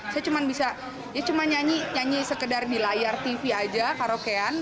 saya cuma bisa ya cuma nyanyi sekedar di layar tv aja karaokean